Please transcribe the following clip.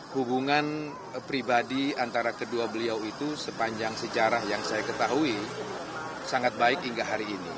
hubungan pribadi antara kedua beliau itu sepanjang sejarah yang saya ketahui sangat baik hingga hari ini